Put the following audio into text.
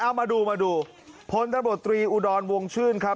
เอามาดูมาดูพลตบตรีอุดรวงชื่นครับ